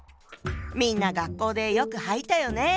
みんな学校でよく履いたよね。